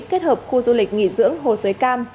kết hợp khu du lịch nghỉ dưỡng hồ suối cam